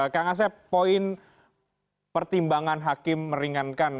kang asep poin pertimbangan hakim meringankan